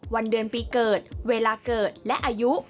วันเดือนปีเกิดเวลาเกิดและอายุ